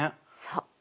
そう。